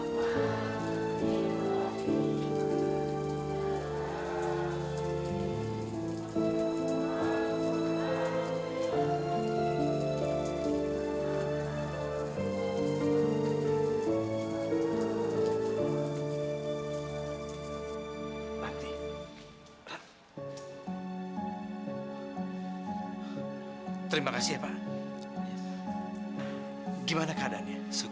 bismillah ya allah ya allah